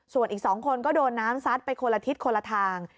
ส่วนอีก๒คนก็โดนน้ำซัดไปคนละทิศคนละทาง